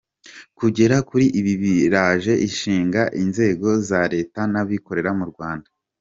Kugera kuri ibi biraje ishinga inzego za Leta n’abikorera mu Rwanda.